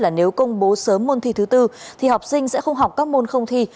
là nếu công bố sớm môn thi thứ bốn thì học sinh sẽ không học các môn không thi